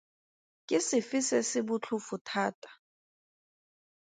Ke sefe se se botlhofo thata?